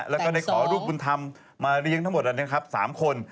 แล้วก็ได้ขอลูกบุญธรรมมาเลี้ยงทั้งหมดนะครับ๓คน